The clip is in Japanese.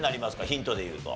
ヒントでいうと。